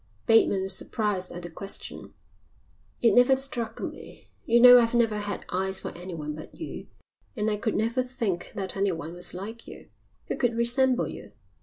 Bateman was surprised at the question. "It never struck me. You know I've never had eyes for anyone but you and I could never think that anyone was like you. Who could resemble you?"